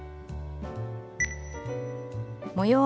模様